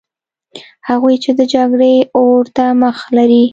هغوی چې د جګړې اور ته مخه لري.